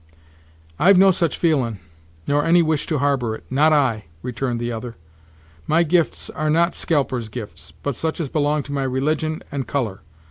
"I've no such feelin', nor any wish to harbor it, not I," returned the other. "My gifts are not scalpers' gifts, but such as belong to my religion and color.